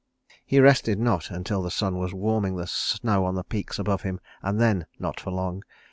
He rested not until the sun was warming the snow on the peaks above him, and then not for long.